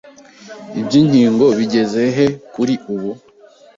Iby'inkingo bigeze he kuri ubu